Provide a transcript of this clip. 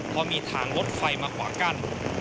เพราะมีทางลดไฟมากว่ากัน